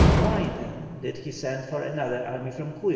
Why, then, did he send for another army from Cuyo?